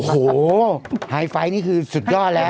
โอ้โหไฮไฟนี่คือสุดยอดแล้ว